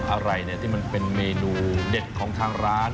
อะไรเนี่ยที่มันเป็นเมนูเด็ดของทางร้าน